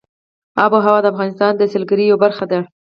آب وهوا د افغانستان د سیلګرۍ یوه برخه ده.